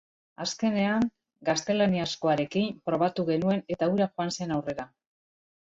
Azkenean, gaztelaniazkoarekin probatu genuen eta hura joan zen aurrera.